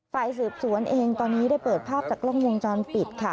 ฝ่ายสืบสวนเองตอนนี้ได้เปิดภาพจากกล้องวงจรปิดค่ะ